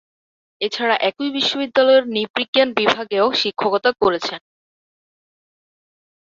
এছাড়া একই বিশ্ববিদ্যালয়ের নৃবিজ্ঞান বিভাগেও শিক্ষকতা করেছেন।